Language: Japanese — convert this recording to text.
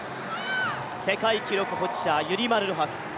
世界記録保持者、ユリマル・ロハス。